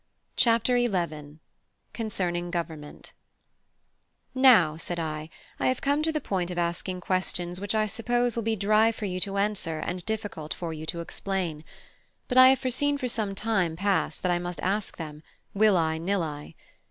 CHAPTER XI: CONCERNING GOVERNMENT "Now," said I, "I have come to the point of asking questions which I suppose will be dry for you to answer and difficult for you to explain; but I have foreseen for some time past that I must ask them, will I 'nill I.